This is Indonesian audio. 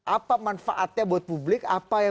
apa manfaatnya buat publik